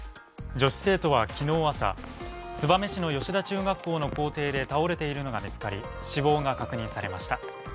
女子生徒は昨日朝、燕市の吉田中学校の校庭で倒れているのが見つかり死亡が確認されました。